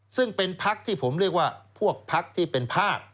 ซึ่งเป็นพักที่ผมเรียกว่าพวกพักที่เป็นภาค